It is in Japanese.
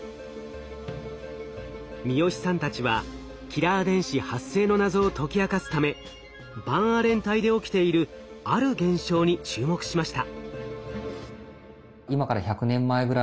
三好さんたちはキラー電子発生の謎を解き明かすためバンアレン帯で起きているある現象に注目しました。